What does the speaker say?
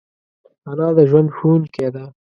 انا د ژوند ښوونکی ده